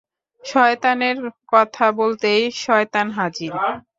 শয়তানের কথা বলতেই শয়তান হাজির!